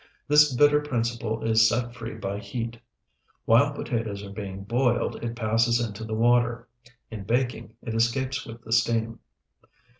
This bitter principle is set free by heat. While potatoes are being boiled, it passes into the water; in baking it escapes with the steam.